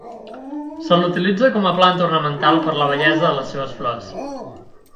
Se l'utilitza com a planta ornamental per la bellesa de les seves flors.